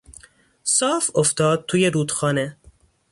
صاف افتاد توی رودخانه.